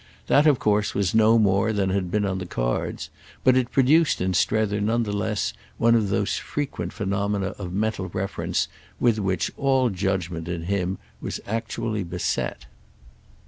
That of course was no more than had been on the cards; but it produced in Strether none the less one of those frequent phenomena of mental reference with which all judgement in him was actually beset.